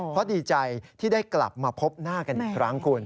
เพราะดีใจที่ได้กลับมาพบหน้ากันอีกครั้งคุณ